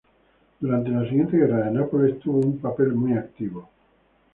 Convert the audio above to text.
Durante la siguiente guerra de Nápoles tuvo un papel muy activo.